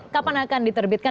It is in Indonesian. kapan akan diterbitkan